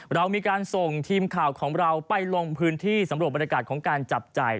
เรามีการส่งทีมข่าวของเราไปลงพื้นที่สำรวจบรรยากาศของการจับจ่าย